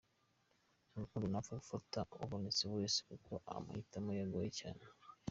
Mu rukundo ntapfa gufata ubonetse wese kuko amahitamo ye agoye cyane.